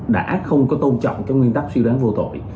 đã không có tôn trọng cái nguyên tắc suy đoán vô tội